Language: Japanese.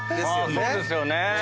そうですよね。